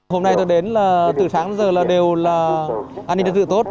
hôm nay tôi đến là từ sáng đến giờ là đều là an ninh tự tốt